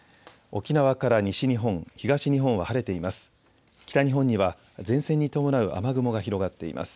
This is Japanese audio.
沖縄から西日本、東日本は晴れています。